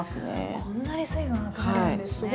こんなに水分アクが出るんですね。